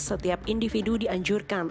setiap individu dianjurkan